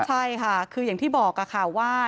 ใช่ค่ะคืออย่างที่บอกค่ะว่า